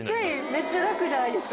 めっちゃ楽じゃないですか。